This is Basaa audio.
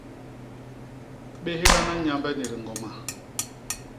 Béghana Nyambe ni diñgoma.